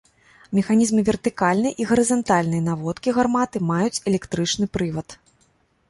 Механізмы вертыкальнай і гарызантальнай наводкі гарматы маюць электрычны прывад.